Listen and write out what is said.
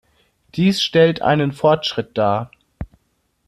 Dies stellt einen Fortschritt dar.